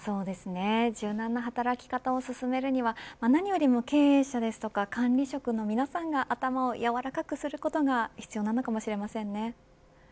柔軟な働き方を進めるには何よりも経営者や管理職の皆さんが頭を柔らかくすることが必要なのかもしれませんね。